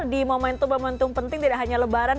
di momentum momentum penting tidak hanya lebaran